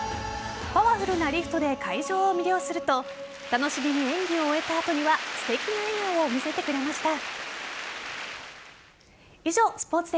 パワフルなリフトで会場を魅了すると楽しげに演技を終えた後にはすてきな笑顔を見せてくれました。